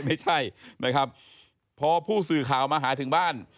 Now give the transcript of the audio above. ไม่ใช่นะครับพอผู้สื่อข่าวมาหาถึงบ้าน